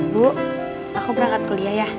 bu aku berangkat ke lia ya